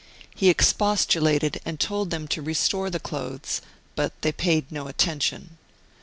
He expostulated and told them to restore the clothes, but they paid no attention.